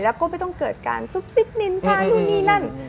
แล้วก็ไม่ต้องเกิดการซุบซิบนินพานู่นนี่นั่น